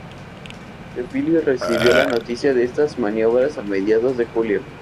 Teófilo recibió la noticia de estas maniobras a mediados de julio.